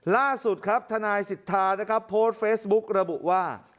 ล่าสุดท่านายสิทธาโพสต์เฟสบุ๊คระบุว่า